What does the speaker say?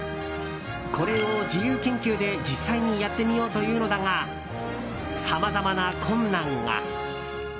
これを自由研究で実際にやってみようというのだがさまざまな困難が。